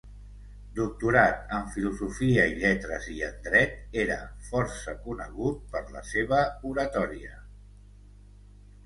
Doctorat en filosofia i lletres i en dret, era força conegut per la seva oratòria.